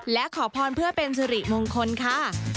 และขอพรเพื่อเป็นสิริมงคลค่ะ